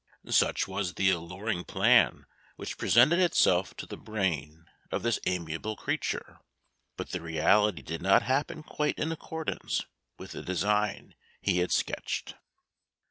Such was the alluring plan which presented itself to the brain of this amiable creature, but the reality did not happen quite in accordance with the design he had sketched.